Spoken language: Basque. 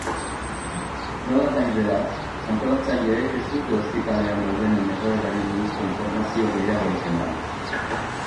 Nolanahi dela, antolatzaileek ez dute ospitalean daudenen egoerari buruzko informazio gehiagorik eman.